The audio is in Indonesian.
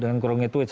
dengan kurungi tweets